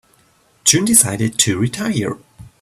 June decided to retire.